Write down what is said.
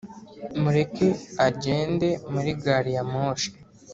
mureke agende muri gari ya moshi.